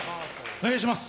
お願いします。